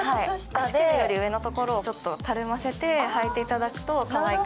足首より上のところをたるませて履いていただけるとかわいく。